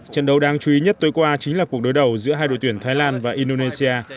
trận đấu đáng chú ý nhất tối qua chính là cuộc đối đầu giữa hai đội tuyển thái lan và indonesia